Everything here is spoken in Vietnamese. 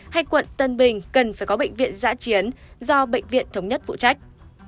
hay quận tân bình cần phải có bệnh viện giã chiến do bệnh viện thống nhất phụ trách